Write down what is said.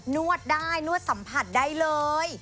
นวดได้นวดสัมภาษณ์ได้เลย